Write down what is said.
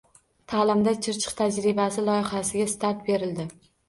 “Ta’limda Chirchiq tajribasi" loyihasiga start berildi